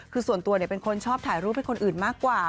คือส่วนตัวเป็นคนชอบถ่ายรูปให้คนอื่นมากกว่า